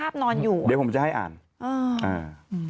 ก็นอนที่เป็นภาพนอนอยู่